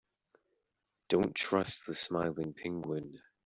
Don't trust the smiling penguin.